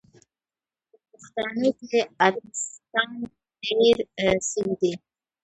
په پښتانو کې اتیستان ډیر سوې دي